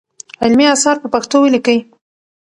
علمي اثار په پښتو ولیکئ.